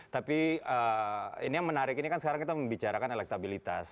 tapi ini yang menarik ini kan sekarang kita membicarakan elektabilitas